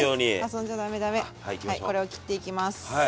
これを切っていきます。